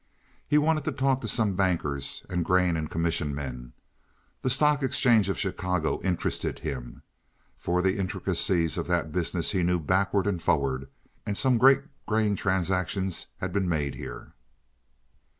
He wanted to talk to some bankers and grain and commission men. The stock exchange of Chicago interested him, for the intricacies of that business he knew backward and forward, and some great grain transactions had been made here.